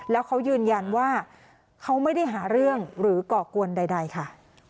แล้วเขายืนยันว่าเขาไม่ได้หาเรื่องหรือก่อกวนใดค่ะ